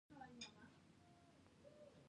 دې ته یې وهڅوي چې له جنګ کولو لاس واخلي.